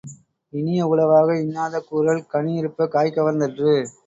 இனிய உளவாக இன்னாத கூறல் கனிஇருப்பக் காய்கவர்ந் தற்று.